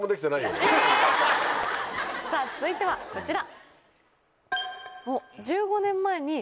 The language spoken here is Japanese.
続いてはこちら。